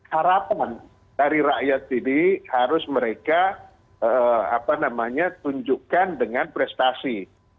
harapan dari rakyat ini harus mereka tunjukkan dengan prestasi